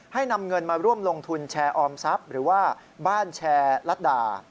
นำเงินมาร่วมลงทุนแชร์ออมทรัพย์หรือว่าบ้านแชร์ลัดดา